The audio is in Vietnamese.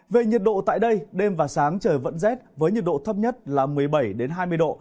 về nhiệt độ tại đây đêm và sáng trời vẫn rét với nhiệt độ thấp nhất là một mươi bảy hai mươi độ